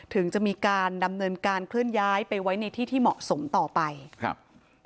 ถึงจะมีการดำเนินการเคลื่อนย้ายไปไว้ในที่ที่เหมาะสมต่อไปครับ